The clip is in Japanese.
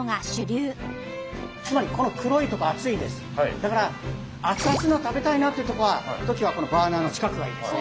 だからあつあつのを食べたいなっていうときはこのバーナーの近くがいいですね。